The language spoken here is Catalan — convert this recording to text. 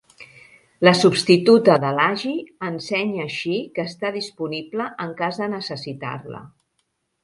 La substituta de l'Aggie ensenya així que està disponible en cas de necessitar-la.